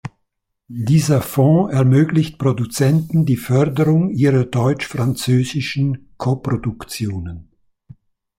Dieser Fonds ermöglicht Produzenten die Förderung ihrer deutsch-französischen Koproduktionen.